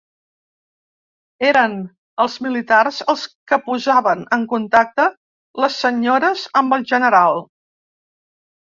Eren els militars els que posaven en contacte les senyores amb el general.